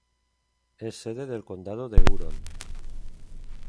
Es sede del condado de Huron.